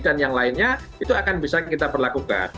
dan yang lainnya itu akan bisa kita berlakukan